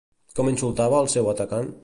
Com insultava al seu atacant?